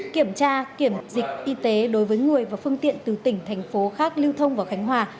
kiểm tra kiểm dịch y tế đối với người và phương tiện từ tỉnh thành phố khác lưu thông vào khánh hòa